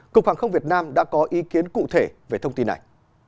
cục hàng không việt nam đã có ý kiến cụ thể về thông tin này